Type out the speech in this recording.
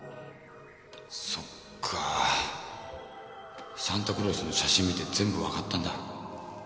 そっかサンタクロースの写真見て全部分かったんだ